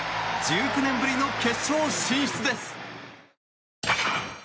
１９年ぶりの決勝進出です。